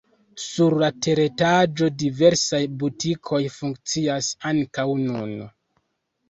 Sur la teretaĝo diversaj butikoj funkcias ankaŭ nun.